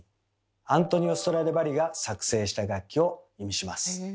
アントニオ・ストラディヴァリが作製した楽器を意味します。